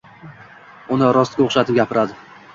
Uni rostga o‘xshatib gapiradi.